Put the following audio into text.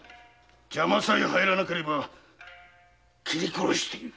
邪魔さえ入らなければ斬り殺している！